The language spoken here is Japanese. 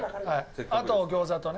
あと餃子とね。